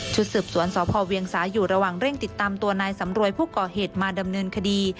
สืบสวนสพเวียงสาอยู่ระหว่างเร่งติดตามตัวนายสำรวยผู้ก่อเหตุมาดำเนินคดี